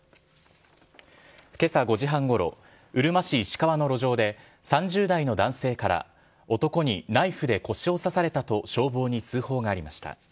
けさ５時半ごろ、うるま市石川の路上で、３０代の男性から、男にナイフで腰を刺されたと消防に通報がありました。